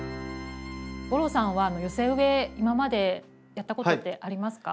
吾郎さんは寄せ植え今までやったことってありますか？